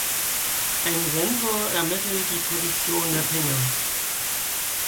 Ein Sensor ermittelt die Position der Finger.